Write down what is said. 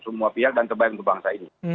semua pihak dan terbaik untuk bangsa ini